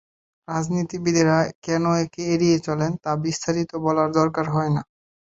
রাজনীতিবিদেরা কেন একে এড়িয়ে চলেন, তা বিস্তারিত বলার দরকার হয় না।